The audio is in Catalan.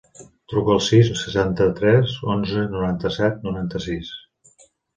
Truca al sis, setanta-tres, onze, noranta-set, noranta-sis.